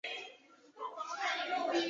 日本的菜刀也被称之为庖丁。